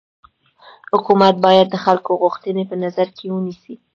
حکومت باید د خلکو غوښتني په نظر کي ونيسي.